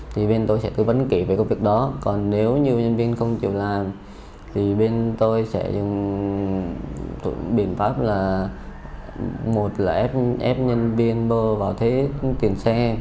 thì bên tôi sẽ tư vấn kỹ về công việc đó còn nếu như nhân viên không chịu làm thì bên tôi sẽ dùng biện pháp là một là ép nhân viên bơ vào thế tiền xe